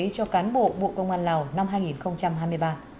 cho cán bộ bộ công an lào năm hai nghìn hai mươi ba